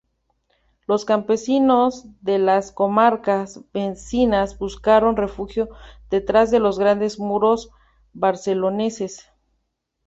Los campesinos de las comarcas vecinas buscaron refugio detrás de los grandes muros barceloneses.